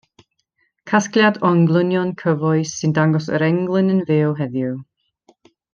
Casgliad o englynion cyfoes sy'n dangos yr englyn yn fyw heddiw.